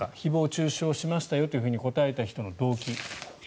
誹謗・中傷しましたよと答えた人の動機。